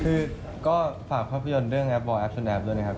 คือก็ฝากความพิโยชน์เรื่องแอปบอร์แอปสนแอปด้วยนะครับ